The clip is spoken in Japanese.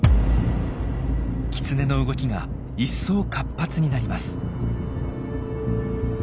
キツネの動きが一層活発になります。